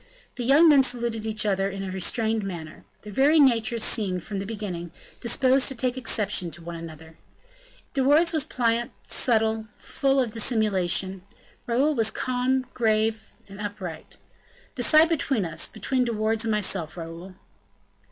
The young men saluted each other in a restrained manner. Their very natures seemed, from the beginning, disposed to take exception to each other. De Wardes was pliant, subtle, full of dissimulation; Raoul was calm, grave, and upright. "Decide between us between De Wardes and myself, Raoul."